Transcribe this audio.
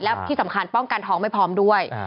และที่สำคัญป้องกันท้องไม่พร้อมด้วย